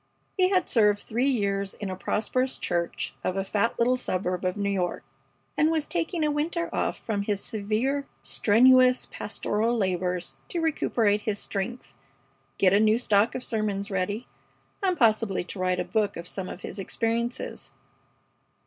He had served three years in a prosperous church of a fat little suburb of New York, and was taking a winter off from his severe, strenuous pastoral labors to recuperate his strength, get a new stock of sermons ready, and possibly to write a book of some of his experiences.